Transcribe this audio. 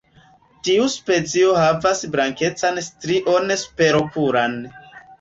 Tiu specio havas blankecan strion superokulan.